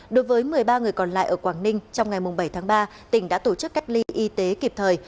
đối với một mươi ba người còn lại ở quảng ninh trong ngày bảy tháng ba tỉnh đã tổ chức cách ly y tế kịp thời